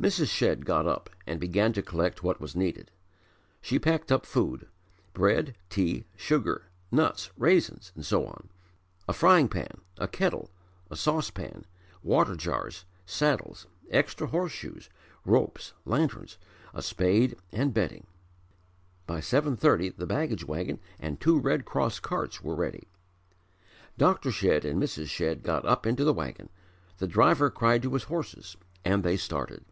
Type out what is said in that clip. Mrs. Shedd got up and began to collect what was needed: she packed up food (bread, tea, sugar, nuts, raisins and so on), a frying pan, a kettle, a saucepan, water jars, saddles, extra horse shoes, ropes, lanterns, a spade and bedding. By 7.30 the baggage wagon and two Red Cross carts were ready. Dr. Shedd and Mrs. Shedd got up into the wagon; the driver cried to his horses and they started.